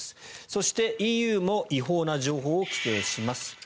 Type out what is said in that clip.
そして、ＥＵも違法な情報を規制します。